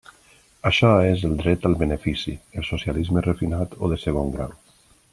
Això és el dret al benefici, el socialisme refinat o de segon grau.